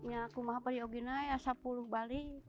ya kumah pariogina ya sepuluh balik